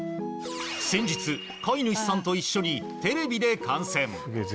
先日、飼い主さんと一緒にテレビで観戦。